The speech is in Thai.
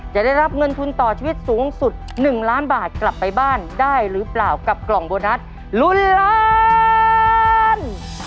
จะได้รับเงินทุนต่อชีวิตสูงสุด๑ล้านบาทกลับไปบ้านได้หรือเปล่ากับกล่องโบนัสลุ้นล้าน